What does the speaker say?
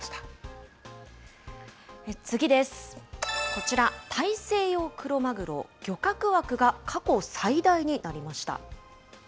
こちら、大西洋クロマグロ、漁獲枠が過去最大になりました。